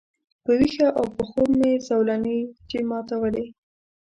په ویښه او په خوب مي زولنې چي ماتولې